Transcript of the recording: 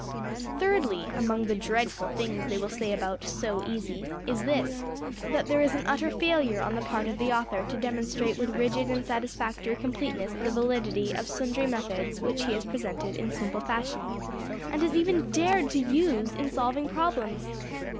Thirdly, among the dreadful things they will say about ``So Easy'' is this: that there is an utter failure on the part of the author to demonstrate with rigid \DPPageSep{262.png}% and satisfactory completeness the validity of sundry methods which he has presented in simple fashion, and has even \emph{dared to use} in solving problems!